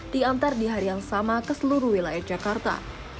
diantar di hari yang sama ke seluruh wilayah jakarta